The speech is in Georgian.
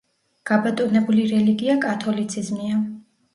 გაბატონებული რელიგია კათოლიციზმია.